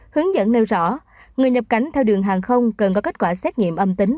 hướng dẫn nêu rõ người nhập cảnh theo đường hàng không cần có kết quả xét nghiệm âm tính